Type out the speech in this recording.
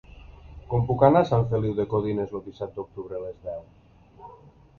Com puc anar a Sant Feliu de Codines el disset d'octubre a les deu?